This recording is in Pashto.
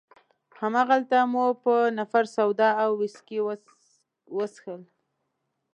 هماغلته مو په نفر سوډا او ویسکي وڅښل.